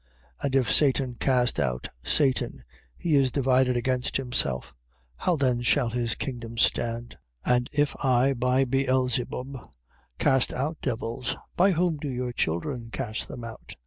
12:26. And if Satan cast out Satan, he is divided against himself: how then shall his kingdom stand? 12:27. And if I by Beelzebub cast out devils, by whom do your children cast them out?